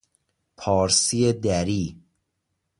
پارسی دری